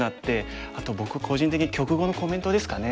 あと僕個人的に局後のコメントですかね。